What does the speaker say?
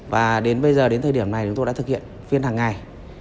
và đến bây giờ đến thời điểm này chúng tôi đã thực hiện phiên hàng ngày